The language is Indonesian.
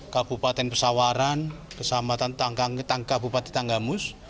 kabupaten pesawaran kesahamatan tangka bupati tanggamus